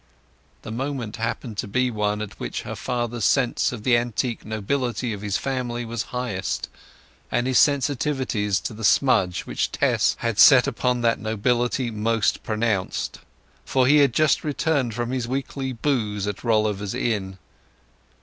The moment happened to be one at which her father's sense of the antique nobility of his family was highest, and his sensitiveness to the smudge which Tess had set upon that nobility most pronounced, for he had just returned from his weekly booze at Rolliver's Inn.